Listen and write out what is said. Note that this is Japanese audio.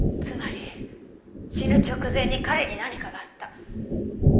つまり死ぬ直前に彼に何かがあった。